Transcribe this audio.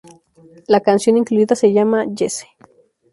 La canción incluida se llama "Jesse".